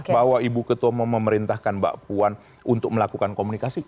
bahwa ibu ketua umum memerintahkan mbak puan untuk melakukan komunikasi